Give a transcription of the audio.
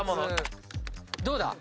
どうだ？